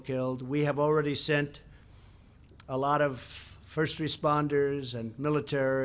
kami sudah mengirim banyak pembantuan pertama dan militer